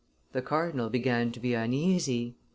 (The cardinal began to be uneasy.)